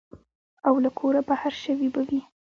او له کوره بهر شوي به وي.